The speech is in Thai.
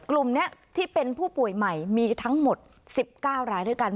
กลุ่มนี้ที่เป็นผู้ป่วยใหม่มีทั้งหมด๑๙รายด้วยกัน